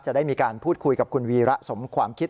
จะได้มีการพูดคุยกับคุณวีระสมความคิด